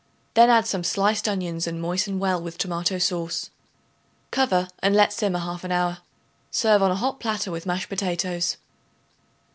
Then add some sliced onions and moisten well with tomato sauce. Cover and let simmer half an hour. Serve hot on a platter with mashed potatoes.